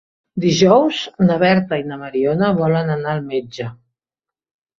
Dijous na Berta i na Mariona volen anar al metge.